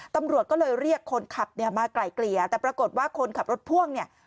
ตำรวจก็เลยเรียกคนขับเนี่ยมาไกลเกลี่ยแต่ปรากฏว่าคนขับรถพ่วงเนี่ย